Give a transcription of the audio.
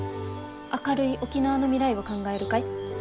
「明るい沖縄の未来を考える会」。